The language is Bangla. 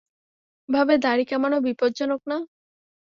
এভাবে দাড়ি কামানো বিপজ্জ্বনক না?